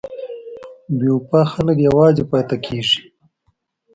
بې وفا خلک یوازې پاتې کېږي.